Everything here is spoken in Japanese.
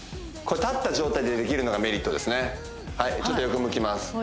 立った状態でできるのがメリットですねちょっと横向きます